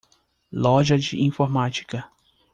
Loja de informática.